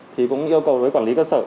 thì cũng yêu cầu với quản lý cơ sở